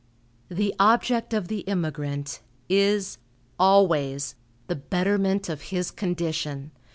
The object of the immigrant is, always, the betterment of his condition.